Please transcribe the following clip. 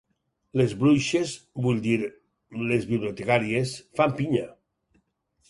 Les bruixes, vull dir les bibliotecàries, fan pinya.